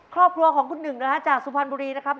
ครอบครัวของคุณหนึ่งนะฮะจากสุพรรณบุรีนะครับ